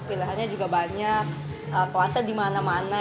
pilihannya juga banyak kelasnya dimana mana